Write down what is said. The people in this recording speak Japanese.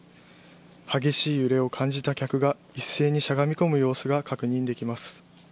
激しい揺れを感じた客が一斉にしゃがみ込む様子が確認できます。